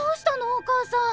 お母さん！